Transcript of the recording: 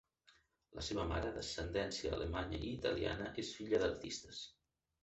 La seva mare, d'ascendència alemanya i italiana, és filla d'artistes.